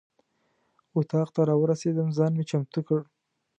اتاق ته راورسېدم ځان مې چمتو کړ.